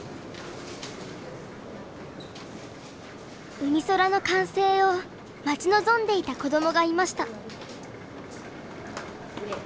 うみそらの完成を待ち望んでいた子どもがいました。